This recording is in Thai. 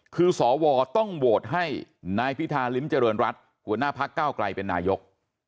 คือสวต้องโหวตให้นายพิธาริมเจริญรัฐหัวหน้าพักเก้าไกลเป็นนายก